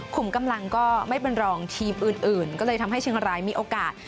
มกำลังก็ไม่เป็นรองทีมอื่นก็เลยทำให้เชียงรายมีโอกาส